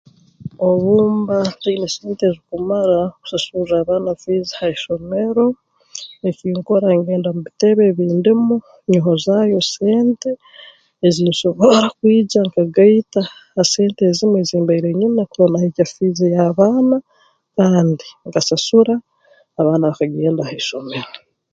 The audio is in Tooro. Obu mba ntaine sente ezikumara kusasurra abaana fiizi ha isomero eki nkora ngenda mu bitebe ebi ndimu nyohozaayo sente ezi nsobora kwija nkagaita ha sente zinu ezi mbaire nyina kurora nahikya fiizi y'abaana kandi nkasasura abaana bakagenda ha isomero